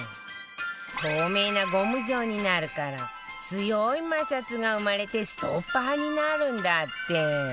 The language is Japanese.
透明なゴム状になるから強い摩擦が生まれてストッパーになるんだって